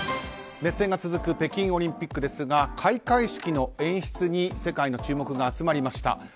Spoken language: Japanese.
熱戦が続く北京オリンピックですが開会式の演出に世界の注目が集まりました。